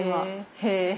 へえ。